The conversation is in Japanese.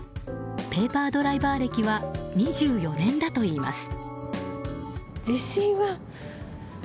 ペーパードライバー歴は２４年だといいます。